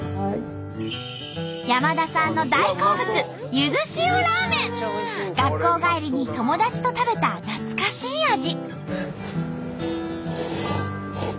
山田さんの学校帰りに友達と食べた懐かしい味。